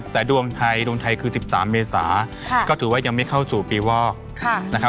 แต่ดวงไทยดวงไทยคือ๑๓เมษาก็ถือว่ายังไม่เข้าสู่ปีวอกนะครับ